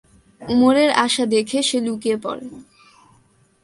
উমরের আসা দেখে সে লুকিয়ে পরে।